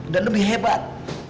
dan lebih hebat